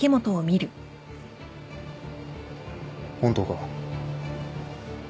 本当か？